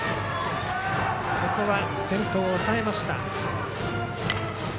ここは先頭を抑えました。